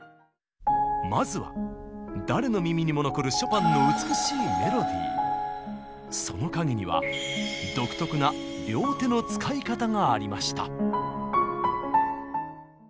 まずは誰の耳にも残るショパンのその陰には独特な両手の使い方がありました。